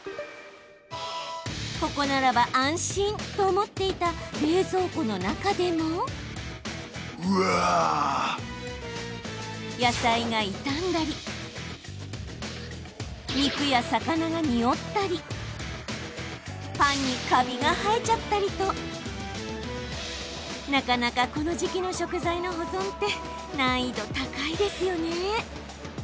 ここならば安心と思っていた冷蔵庫の中でも。うわ！野菜が傷んだり肉や魚がにおったりパンにカビが生えちゃったりとなかなか、この時期の食材の保存って難易度、高いですよね。